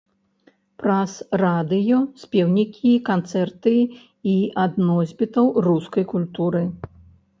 Праз радыё, спеўнікі, канцэрты і ад носьбітаў рускай культуры.